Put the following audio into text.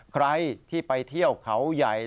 ใครที่ไปเที่ยวเขาใหญ่